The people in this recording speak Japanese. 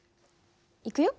いくよ。